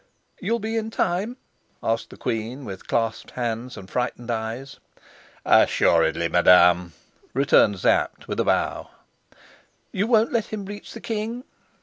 "You'll be in time?" asked the queen, with clasped hands and frightened eyes. "Assuredly, madam," returned Sapt with a bow. "You won't let him reach the king?"